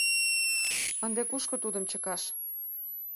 Ынде кушко тудым чыкаш?